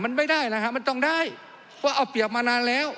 มันไม่ได้นะฮะมันต้องได้เพราะเอาเปรียบมานานแล้ว